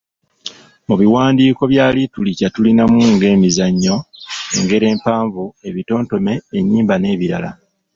Mu biwandiiko bya litulica tulinamu ng'emizannyo, engero empanvu, ebitontome, ennyimba n'ebirala.